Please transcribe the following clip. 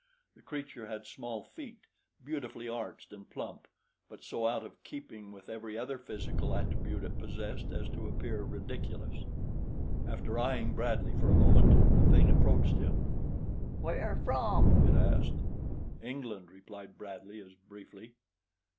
The creature had small feet, beautifully arched and plump, but so out of keeping with every other physical attribute it possessed as to appear ridiculous. After eyeing Bradley for a moment the thing approached him. "Where from?" it asked. "England," replied Bradley, as briefly.